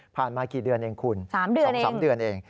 มากี่เดือนเองคุณ๒๓เดือนเอง